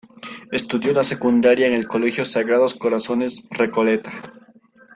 Estudió la secundaria en el Colegio Sagrados Corazones Recoleta.